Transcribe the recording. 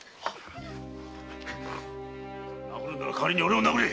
殴るなら代わりに俺を殴れ！